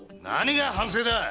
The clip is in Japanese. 何が反省だ！